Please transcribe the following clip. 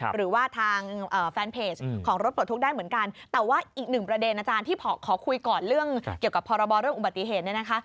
หรือว่าทางแฟนเพจของรถปลดทุกข์ได้เหมือนกันแต่ว่าอีกหนึ่งประเด็นอาจารย์ที่ขอคุยก่อนเรื่องเกี่ยวกับพรบเรื่องอุบัติเหตุเนี่ยนะคะ